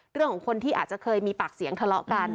เรื่องของคนที่อาจจะเคยมีปากเสียงทะเลาะกัน